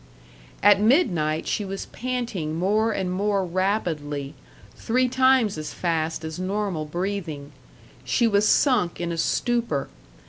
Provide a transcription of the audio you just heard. At midnight she was panting more and more rapidly three times as fast as normal breathing. She was sunk in a stupor.